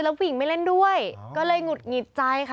ผู้หญิงไม่เล่นด้วยก็เลยหงุดหงิดใจค่ะ